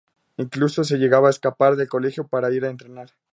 Incluso se llegaba a escapar del colegio para ir a entrenar.